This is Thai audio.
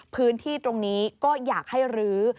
พื้นที่ตรงนี้ก็อยากให้รื้อ